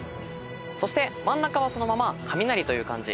そして真ん中はそのまま「雷」という漢字。